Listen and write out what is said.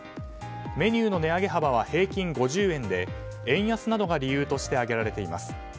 メニューの値上げ幅は平均５０円で円安などが理由として挙げられています。